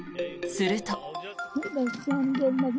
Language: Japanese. すると。